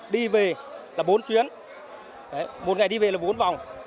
đi về là bốn chuyến một ngày đi về là bốn vòng